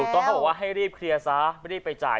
ต้องเขาบอกว่าให้รีบเคลียร์ซะไม่รีบไปจ่าย